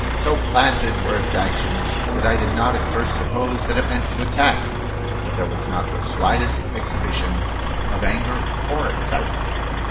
So placid were its actions that I did not at first suppose that it meant to attack, for there was not the slightest exhibition of anger or excitement.